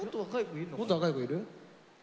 もっと若い子いる？